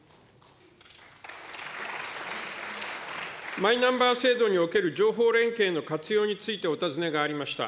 マイナンバー制度における情報連携の活用についてお尋ねがありました。